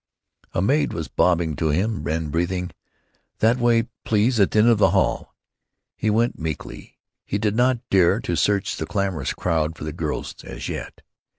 A maid was bobbing to him and breathing, "That way, please, at the end of the hall." He went meekly. He did not dare to search the clamorous crowd for the girls, as yet.